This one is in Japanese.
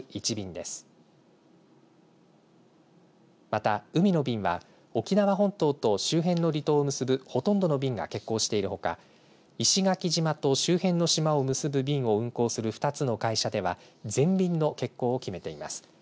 また、海の便は沖縄本島と周辺の離島を結ぶほとんどの便が欠航しているほか石垣島と周辺の島を結ぶ便を運航する２つの会社では全便の欠航を決めています。